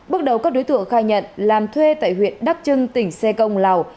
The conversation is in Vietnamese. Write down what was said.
bước đầu các đối tượng khai nhận làm thuê tại huyện đắc trưng tỉnh xê công lào